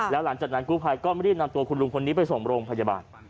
แล้วหลังจากนั้นกู้ภัยก็รีบนำตัวคุณลุงคนนี้ไปส่งโรงพยาบาล